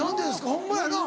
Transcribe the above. ホンマやな。